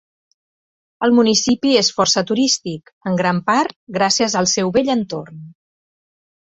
El municipi és força turístic, en gran part gràcies al seu bell entorn.